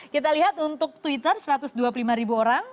kita lihat untuk twitter satu ratus dua puluh lima ribu orang